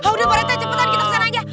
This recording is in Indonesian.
udah para tek cepetan kita kesana aja